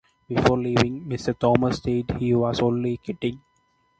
Before leaving, Mr. Thomas states He was only kidding.